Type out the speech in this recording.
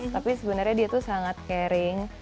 tapi sebenarnya dia tuh sangat caring